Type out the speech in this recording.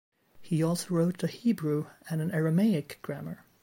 He also wrote a Hebrew and an Aramaic grammar.